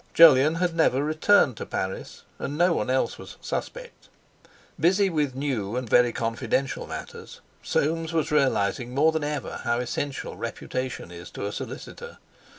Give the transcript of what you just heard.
Jolyon had never returned to Paris, and no one else was "suspect!" Busy with new and very confidential matters, Soames was realising more than ever how essential reputation is to a solicitor.